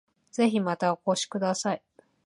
ぜひまたお越しください